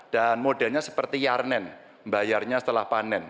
dan modalnya seperti yarnen bayarnya setelah panen